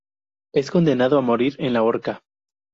Es condenado a morir en la horca.